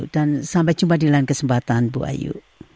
dan sampai jumpa di lain kesempatan ibu ayu